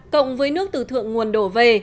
cộng với nước từ thượng nguồn đổ về